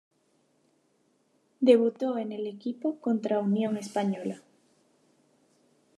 Debutó en el equipo contra Unión Española.